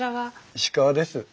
石川です。